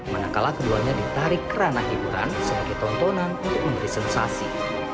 manakala keduanya ditarik kerana hiburan sebagai tontonan untuk memberi sensasi